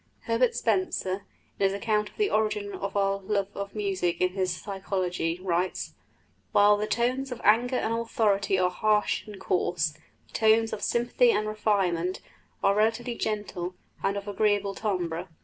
Herbert Spencer, in his account of the origin of our love of music in his Psychology, writes: "While the tones of anger and authority are harsh and coarse, the tones of sympathy and refinement are relatively gentle and of agreeable timbre.